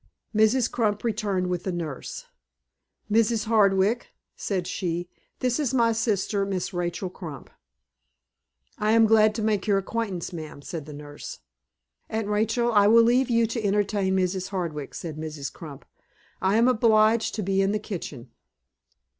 Mrs. Crump returned with the nurse. "Mrs. Hardwick," said she, "this is my sister, Miss Rachel Crump." "I am glad to make your acquaintance, ma'am," said the nurse. "Aunt Rachel, I will leave you to entertain Mrs. Hardwick," said Mrs. Crump. "I am obliged to be in the kitchen."